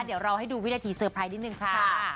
เดี๋ยวเราให้ดูวินาทีเตอร์ไพรส์นิดนึงค่ะ